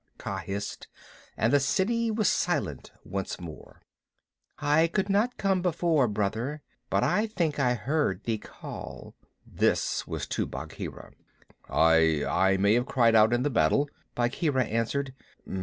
Kaa hissed, and the city was silent once more. "I could not come before, Brother, but I think I heard thee call" this was to Bagheera. "I I may have cried out in the battle," Bagheera answered.